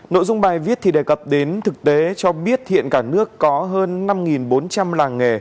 nội dung bài viết thì đề cập đến thực tế cho biết hiện cả nước có hơn năm bốn trăm linh làng nghề